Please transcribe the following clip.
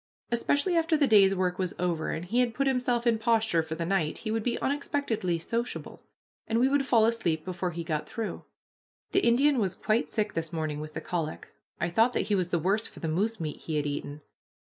Especially after the day's work was over, and he had put himself in posture for the night, he would be unexpectedly sociable, and we would fall asleep before he got through. The Indian was quite sick this morning with the colic. I thought that he was the worse for the moose meat he had eaten.